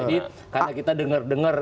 jadi karena kita denger denger